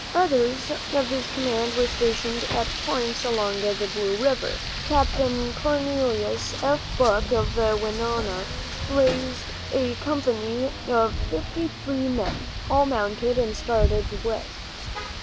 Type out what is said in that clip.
Others of this command were stationed at points along the Blue Earth river. Capt. Cornelius F. Buck of Winona raised a company of fifty three men, all mounted, and started west.